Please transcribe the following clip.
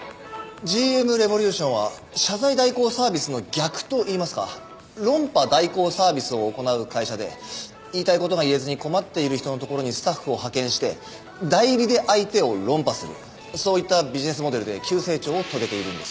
ＧＭレボリューションは謝罪代行サービスの逆といいますか論破代行サービスを行う会社で言いたい事が言えずに困っている人のところにスタッフを派遣して代理で相手を論破するそういったビジネスモデルで急成長を遂げているんです。